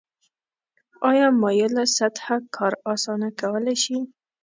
آیا مایله سطحه کار اسانه کولی شي؟